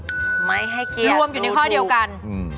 รวมอยู่ในข้อเดียวกัน